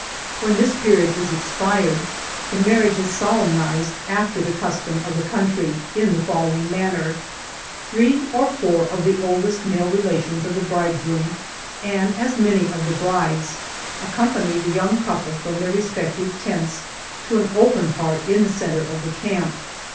When this period is expired, the marriage is solemnized after the custom of the country, in the following manner: three or four of the oldest male relations of the bridegroom, and as many of the bride's, accompany the young couple from their respective tents, to an open part in the centre of the camp.